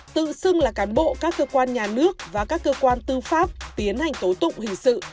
tự xưng là cán bộ các cơ quan nhà nước và các cơ quan tư pháp tiến hành tố tụng hình sự